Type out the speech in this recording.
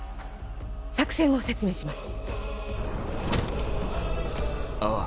作戦を説明します